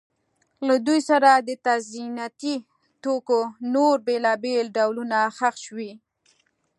له دوی سره د تزیني توکو نور بېلابېل ډولونه ښخ شوي